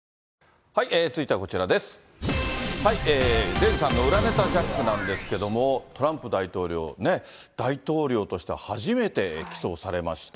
デーブさんの裏ネタジャックなんですけども、トランプ大統領ね、大統領として初めて起訴されました。